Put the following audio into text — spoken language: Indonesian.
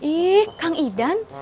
ih kang idan